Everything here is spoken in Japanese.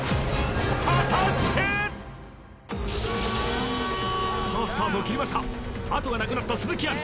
果たしてさあスタートを切りましたあとがなくなった鈴木亜美